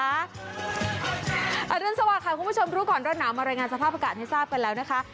อรุณสวัสดิ์คุณผู้ชมรู้ก่อนร้อนหนาวมารายงานสภาพอากาศให้ทราบกันแล้วนะคะ